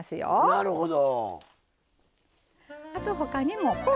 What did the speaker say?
なるほど。